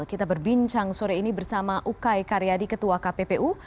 kita berbincang sore ini bersama ukay karyadi ketua kppu